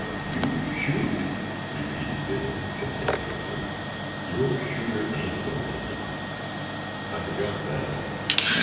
"You shoot!" repeated Biddon, contemptuously, "You're shooter ain't loaded!" "I forgot that.